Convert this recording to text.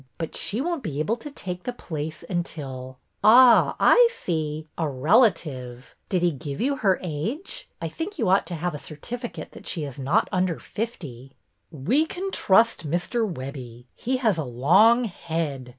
But she won't be able to take the place until —"'' Ah, I see. A relative ! Did he give you her age ? I think you ought to have a certificate that she is not under fifty." ''We can trust Mr. Webbie. He has a long head.